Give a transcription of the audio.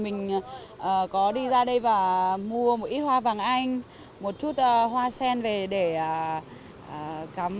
mình có đi ra đây và mua một ít hoa vàng anh một chút hoa sen về để cắm